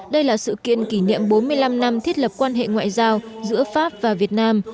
đây là sự kiện kỷ niệm bốn mươi năm năm thiết lập quan hệ ngoại giao giữa pháp và việt nam